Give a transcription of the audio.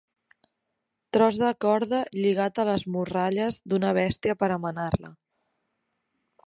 Tros de corda lligat a les morralles d'una bèstia per a menar-la.